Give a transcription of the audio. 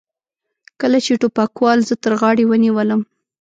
کله چې ټوپکوال زه تر غاړې ونیولم.